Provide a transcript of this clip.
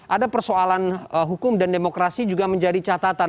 ada persoalan hukum dan demokrasi juga menjadi catatan